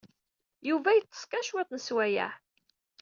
Yuba yeṭṭeṣ kan cwiṭ n sswayeɛ.